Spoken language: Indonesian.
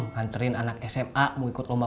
nganterin anak sma mau ikut lomba